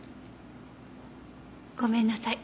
ごめんなさい。